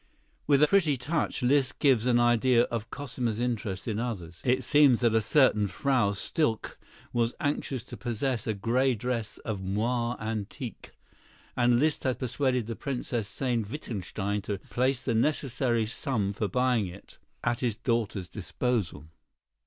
With a pretty touch Liszt gives an idea of Cosima's interest in others. It seems that a certain Frau Stilke was anxious to possess a gray dress of moiré antique, and Liszt had persuaded the Princess Sayn Wittgenstein to place the necessary sum for buying it at his daughter's disposal.